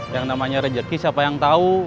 yang namanya rejeki siapa yang tahu